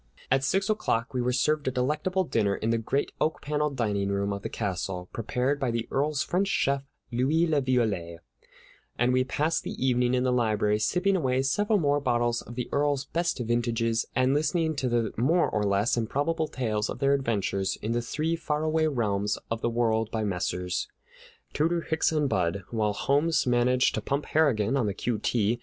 At six o'clock we were served a delectable dinner in the great oak paneled dining room of the castle, prepared by the Earl's French chef, Louis La Violette; and we passed the evening in the library, sipping away several more bottles of the Earl's best vintages and listening to the more or less improbable tales of their adventures in the three faraway realms of the world by Messrs. Tooter, Hicks, and Budd, while Holmes managed to pump Harrigan on the Q. T.